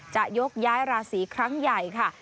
จะยกย้ายราศีครั้งใหญ่ค่ะ